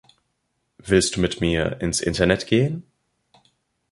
Willst du mit mir ins Internet gehen?